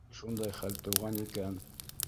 Тик шундай хәл тыуған икән...